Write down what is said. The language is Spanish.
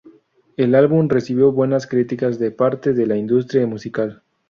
El álbum recibió buenas críticas de parte de la industria musical.